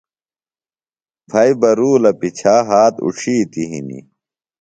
پھئیۡ بیۡ رُولہ پِچھا ہات اُڇِھیتیۡ ہنیۡ